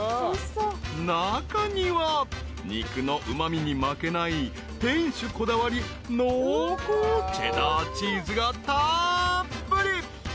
［中には肉のうま味に負けない店主こだわり濃厚チェダーチーズがたっぷり］